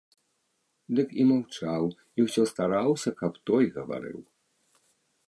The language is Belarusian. Дык і маўчаў і ўсё стараўся, каб той гаварыў.